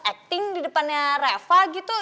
acting di depannya reva gitu